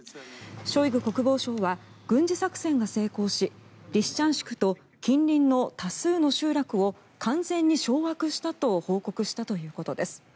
ショイグ国防相は軍事作戦が成功しリシチャンシクと近隣の多数の集落を完全に掌握したと報告したということです。